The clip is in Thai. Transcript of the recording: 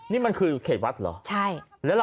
นี่มันคือเขตวัดเหรอ